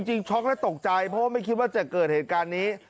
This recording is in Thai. ช็อกและตกใจเพราะว่าไม่คิดว่าจะเกิดเหตุการณ์นี้